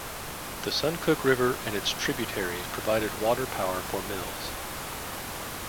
The Suncook River and its tributaries provided water power for mills.